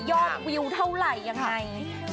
ยอดวิวเท่าไรอย่างยังไง